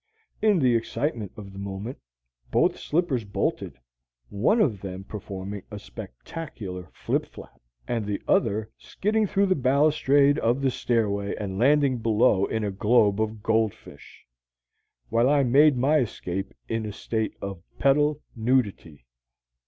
In the excitement of the moment, both slippers bolted, one of them performing a spectacular flip flap, and the other skidding through the balustrade of the stairway and landing below in a globe of goldfish; while I made my escape in a state of pedal nudity.